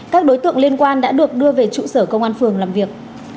các đối tượng liên quan đã được đưa về trụ sở công an phường làm việc